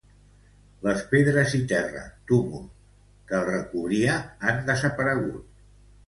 Les pedres i terra —túmul— que el recobria han desaparegut.